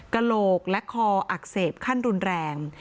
กระโหลกและคออักเสบขั้นรุนแรง